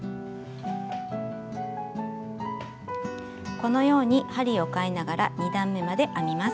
このように針をかえながら２段めまで編みます。